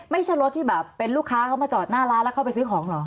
ไม่ใช่รถที่แบบเป็นลูกค้าเขามาจอดหน้าร้านแล้วเข้าไปซื้อของเหรอ